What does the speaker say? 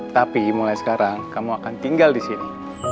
tapi mulai sekarang kamu akan tinggal di sini